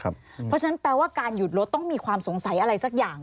เพราะฉะนั้นแปลว่าการหยุดรถต้องมีความสงสัยอะไรสักอย่าง